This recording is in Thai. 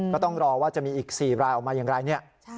ก็ต้องรอว่าจะมีอีก๔รายออกมาอย่างไรเนี่ย